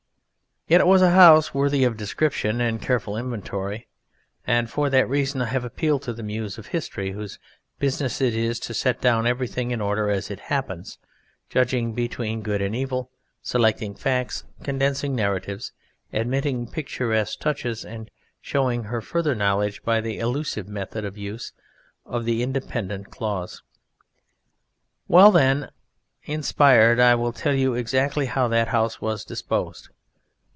Yet it was a house worthy of description and careful inventory, and for that reason I have appealed to the Muse of History whose business it is to set down everything in order as it happens, judging between good and evil, selecting facts, condensing narratives, admitting picturesque touches, and showing her further knowledge by the allusive method or use of the dependent clause. Well then, inspired, I will tell you exactly how that house was disposed.